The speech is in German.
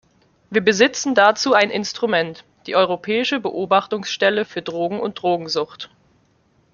Wir besitzen dazu ein Instrument, die Europäische Beobachtungsstelle für Drogen und Drogensucht.